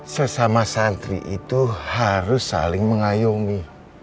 sesama santri itu harus saling mengayomi